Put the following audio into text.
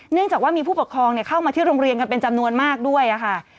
เนื่องจากว่ามีผู้ปกครองเข้ามาที่โรงเรียนกันเป็นจำนวนมากด้วยค่ะ